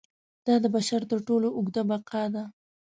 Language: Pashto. دا د بشر تر ټولو اوږده بقا ده.